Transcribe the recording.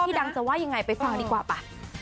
ดังจะว่ายังไงไปฟังดีกว่าป่ะ